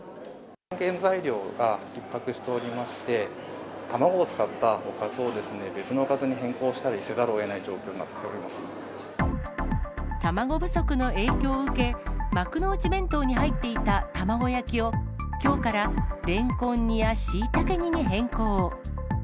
原材料がひっ迫しておりまして、卵を使ったおかずを別のおかずに変更したりせざるをえない状況に卵不足の影響を受け、幕の内弁当に入っていた卵焼きを、きょうかられんこん煮やしいたけ煮に変更。